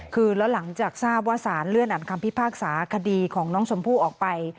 คือแล้วหลังจากทราบว่าสารเลื่อนอ่านคำพิพากษาคดีของน้องชมพู่ออกไป